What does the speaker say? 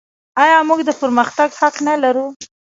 آیا موږ د پرمختګ حق نلرو؟